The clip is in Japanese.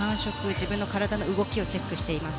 自分の体の動きをチェックしています。